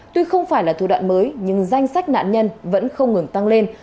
tuy không phải là thủ đoạn mới nhưng danh sách nạn nhân vẫn không ngừng tăng lên